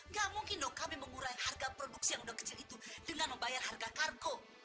gak mungkin dong kami mengurai harga produksi yang sudah kecil itu dengan membayar harga kargo